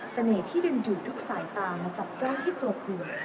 เสน่ห์ที่ดึงดูดทุกสายตามาจับเจ้าที่ตัวคืน